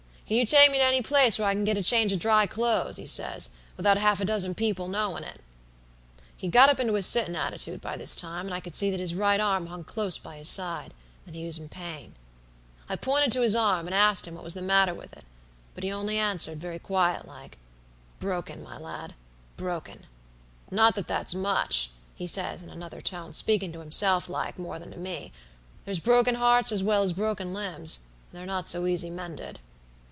"'Can you take me to any place where I can get a change of dry clothes,' he says, 'without half a dozen people knowin' it?' "He'd got up into a sittin' attitude by this time, and I could see that his right arm hung close by his side, and that he was in pain. "I pointed to his arm, and asked him what was the matter with it; but he only answered, very quiet like: 'Broken, my lad, broken. Not that that's much,' he says in another tone, speaking to himself like, more than to me. 'There's broken hearts as well as broken limbs, and they're not so easy mended.'